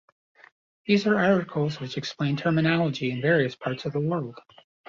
These are articles which explain terminology in various parts of the world.